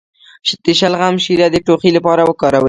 د شلغم شیره د ټوخي لپاره وکاروئ